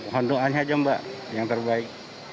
hontungan saja mbak yang terbaik